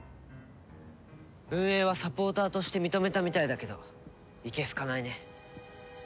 運営はサポーターとして認めたみたいだけどいけ好かないね。